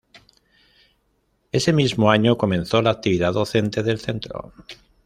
Ese mismo año comenzó la actividad docente del centro.